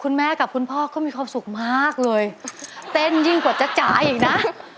คุณแม่กับคุณพ่อก็มีความสุขมากเลยเต้นยิ่งกว่าจ๊ะจ๋าอีกนะ